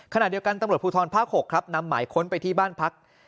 ขณะเดียวกันตำรวจภูทรภาค๖ครับนำหมายค้นไปที่บ้านพัก